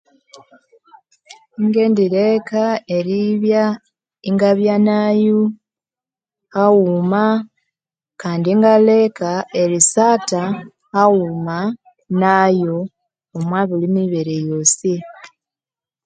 Ngendireka eribya ingabyanayo haguma kandi ingendireka erisatha haghuma nayo omwa mibere yosi